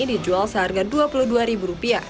dijual seharga rp dua puluh dua